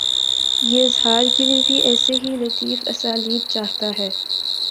یہ اظہار کے لیے بھی ایسے ہی لطیف اسالیب چاہتا ہے۔